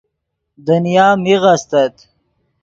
دنیا میغ استت